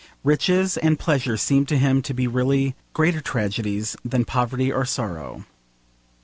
Riches and pleasure seemed to him to be really greater tragedies than poverty or sorrow.